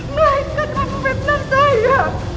mereka membenah saya